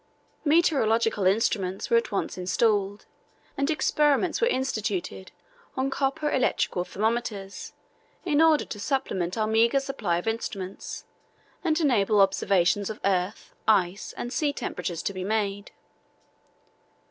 "Meteorological instruments were at once installed, and experiments were instituted on copper electrical thermometers in order to supplement our meagre supply of instruments and enable observations of earth, ice, and sea temperatures to be made.